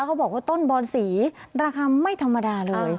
เขาบอกว่าต้นบอนสีราคาไม่ธรรมดาเลย